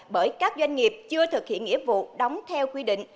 bởi các doanh nghiệp chưa thực hiện nghĩa vụ đóng theo quy định